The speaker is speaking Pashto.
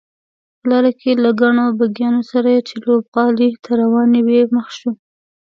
په لاره کې له ګڼو بګیانو سره چې لوبغالي ته روانې وې مخ شوو.